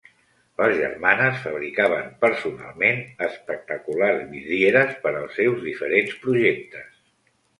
Les germanes fabricaven personalment espectaculars vidrieres per als seus diferents projectes.